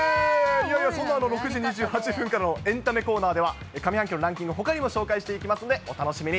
いやいや、そんな６時２８分からのエンタメコーナーでは、上半期のランキング、ほかにも紹介していきますんで、お楽しみに。